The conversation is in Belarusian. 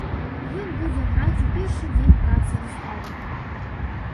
Ён будзе граць у першы дзень працы выставы.